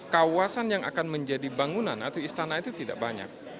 kawasan yang akan menjadi bangunan atau istana itu tidak banyak